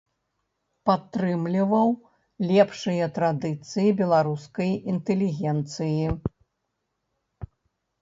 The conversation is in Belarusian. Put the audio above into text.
Падтрымліваў лепшыя традыцыі беларускай інтэлігенцыі.